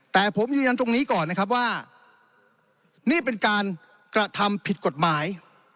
แต่ผมยืนยันตรงนี้ก่อนนะครับว่านี่เป็นการกระทำผิดกฎหมาย